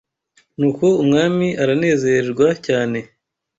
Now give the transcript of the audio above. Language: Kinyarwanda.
Nuko umwami aranezerwa cyane